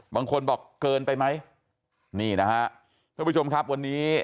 บางคนบอกเกินไปไหมนี่นะฮะท่านผู้ชมครับวันนี้